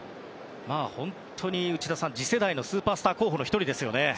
本当に内田さん次世代のスーパースター候補の１人ですね。